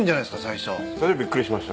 最初。びっくりしましたね。